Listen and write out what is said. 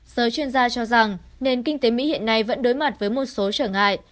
giới chuyên gia cho rằng nền kinh tế mỹ hiện nay vẫn đối mặt với một số trở ngại